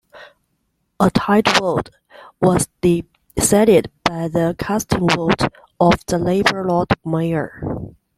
A tied vote was decided by the casting vote of the Labour Lord Mayor.